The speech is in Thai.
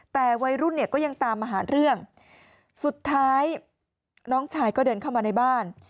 แต่วัยรุ่นเนี่ยก็ยังตามมาหาเรื่องสุดท้ายน้องชายก็เดินเข้ามาในบ้าน